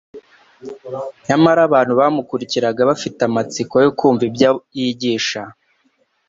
Nyamara abantu bamukurikiraga bafite amatsiko yo kumva ibyo yigisha.